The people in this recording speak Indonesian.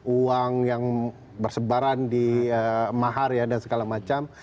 uang yang bersebaran di mahar ya dan segala macam